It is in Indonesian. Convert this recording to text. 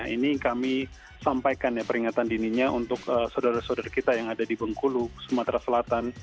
ini kami sampaikan ya peringatan dininya untuk saudara saudara kita yang ada di bengkulu sumatera selatan